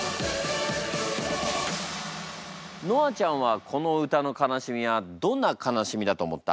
ノアちゃんはこの歌の悲しみはどんな悲しみだと思った？